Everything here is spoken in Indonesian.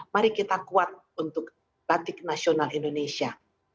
mari kita kuat untuk batik nasional indonesia